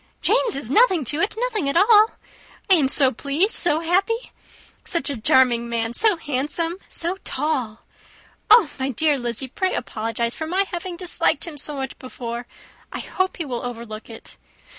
Jane's is nothing to it nothing at all. I am so pleased so happy. Such a charming man! so handsome! so tall! Oh, my dear Lizzy! pray apologize for my having disliked him so much before. I hope he will overlook it.